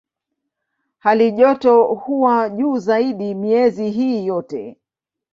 Halijoto huwa juu zaidi miezi hii yote.